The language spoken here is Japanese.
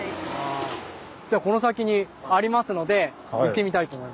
じゃあこの先にありますので行ってみたいと思います。